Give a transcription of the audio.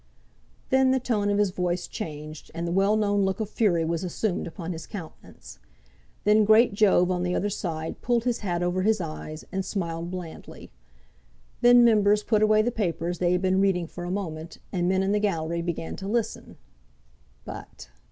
Then the tone of his voice changed, and the well known look of fury was assumed upon his countenance. Then great Jove on the other side pulled his hat over his eyes, and smiled blandly. Then members put away the papers they had been reading for a moment, and men in the gallery began to listen. But